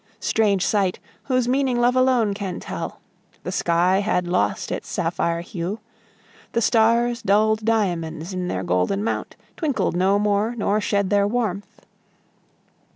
Strange sight! whose meaning love alone can tell, The sky had lost its sapphire hue, The stars, dulled diamonds in their golden mount, Twinkled no more nor shed their warmth.